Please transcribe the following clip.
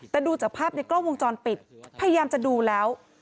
แต่ดูจากภาพในกล้องวงจรปิดพยายามจะดูแล้ว